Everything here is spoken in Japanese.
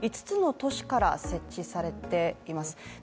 ５つの都市から設置されています。